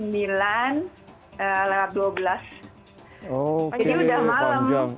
jadi udah malam